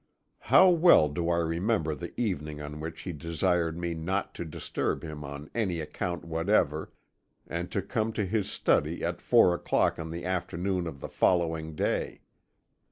"How well do I remember the evening on which he desired me not to disturb him on any account whatever, and to come to his study at four o'clock on the afternoon of the following day.